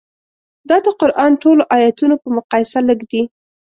دا د قران ټولو ایتونو په مقایسه لږ دي.